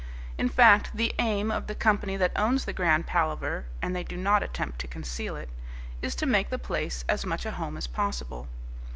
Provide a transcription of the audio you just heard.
In fact, the aim of the company that owns the Grand Palaver and they do not attempt to conceal it is to make the place as much a home as possible.